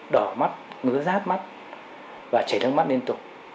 bỏ mắt ngứa rát mắt và chảy nước mắt liên tục